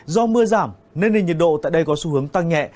do mưa giảm nên nền nhiệt độ tại đây có xu hướng tăng nhẹ